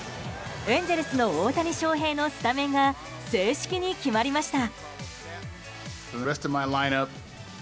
エンゼルスの大谷翔平のスタメンが正式に決まりました。